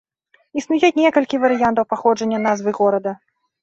Існуе некалькі варыянтаў паходжання назвы горада.